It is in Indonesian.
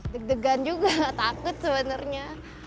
deg degan juga takut sebenarnya